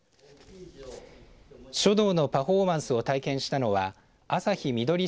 書道のパフォーマンスを体験したのは朝日みどり